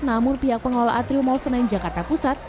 namun pihak pengelola atriumal senen jakarta pusat